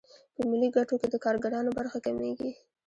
په ملي ګټو کې د کارګرانو برخه کمېږي